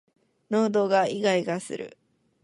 喉がいがいがする